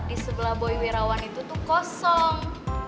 di sebelah boy wirawan itu tuh kosong